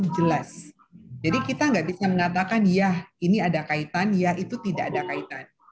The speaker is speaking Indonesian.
jelas jadi kita nggak bisa mengatakan ya ini ada kaitan ya itu tidak ada kaitan